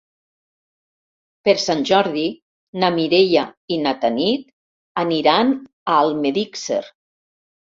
Per Sant Jordi na Mireia i na Tanit aniran a Almedíxer.